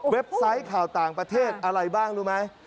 ไซต์ข่าวต่างประเทศอะไรบ้างรู้ไหม